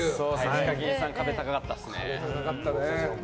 ＨＩＫＡＫＩＮさん勝てなかったですね。